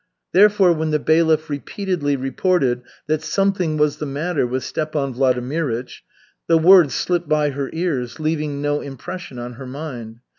Therefore when the bailiff repeatedly reported that "something was the matter" with Stepan Vladimirych, the words slipped by her ears, leaving no impression on her mind.